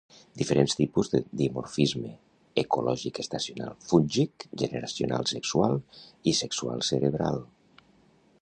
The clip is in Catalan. Diferents tipus de dimorfisme, ecològic estacional fúngic generacional sexual i sexual cerebral